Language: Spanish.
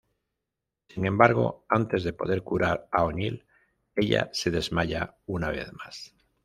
Sin embargo antes de poder curar a O'Neill, ella se desmaya una vez más.